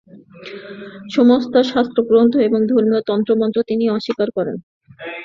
সমস্ত শাস্ত্রগ্রন্থ এবং ধর্মীয় তন্ত্র-মন্ত্র তিনি অস্বীকার করেছেন।